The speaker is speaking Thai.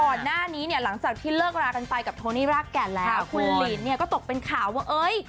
ก่อนหน้านี้เนี่ยหลังจากที่เลิกรากันไปกับโทนี่รากแก่นแล้วคุณหลินเนี่ยก็ตกเป็นข่าวว่าเอ้ย